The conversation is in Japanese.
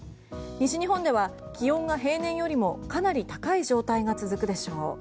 西日本では気温が平年よりもかなり高い状態が続くでしょう。